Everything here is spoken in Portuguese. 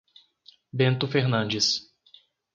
Bento Fernandes